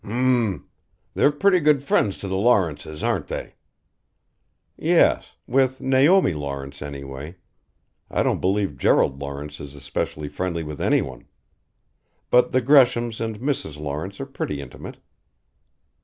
"M m m They're pretty good friends to the Lawrences, aren't they!" "Yes with Naomi Lawrence, anyway. I don't believe Gerald Lawrence is especially friendly with anyone. But the Greshams and Mrs. Lawrence are pretty intimate."